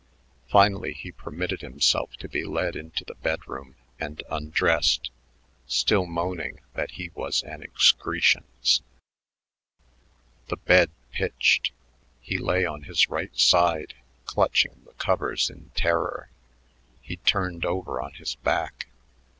Finally he permitted himself to be led into the bedroom and undressed, still moaning that he was an "ex cree shence." The bed pitched. He lay on his right side, clutching the covers in terror. He turned over on his back.